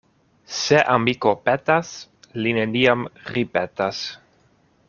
Se amiko petas, li neniam ripetas.